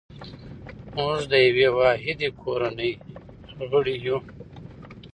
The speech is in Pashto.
موږ د یوې واحدې کورنۍ غړي یو.